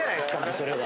それは。